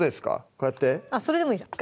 こうやってそれでもいいです